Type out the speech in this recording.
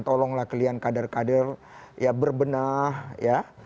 tolonglah kalian kader kader ya berbenah ya